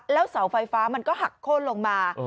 แล้วเสาไฟฟ้ามันก็หักโค้นลงมา